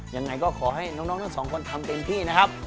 อย่างไรก็ขอให้น้อง๒คนทำเต็มที่นะครับ